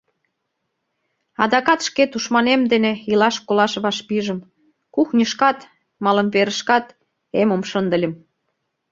Адакат шке тушманем дене илаш-колаш вашпижым: кухньышкат, малымверышкат «эмым» шындыльым.